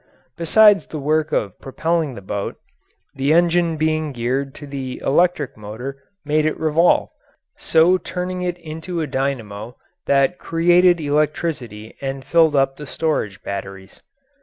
Besides the work of propelling the boat, the engine being geared to the electric motor made it revolve, so turning it into a dynamo that created electricity and filled up the storage batteries.